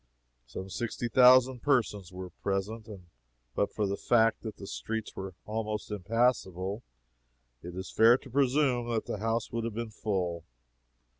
Some sixty thousand persons were present, and but for the fact that the streets were almost impassable, it is fair to presume that the house would have been full.